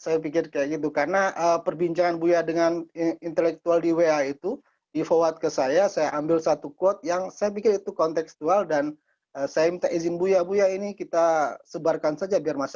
seluruh terkait posisi status yang selalu di dewa dewa